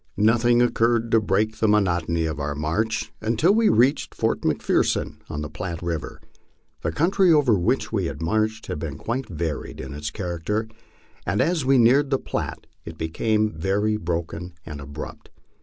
Nothing occurred to break the monotony of our march until we reached Fort McPherson, on the Platte river. The country over which we had marched had been quite varied in its character, and as we neared the Platte it became very broken and abrupt.